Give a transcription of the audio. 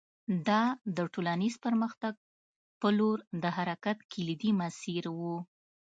دا د ټولنیز پرمختګ په لور د حرکت کلیدي مسیر و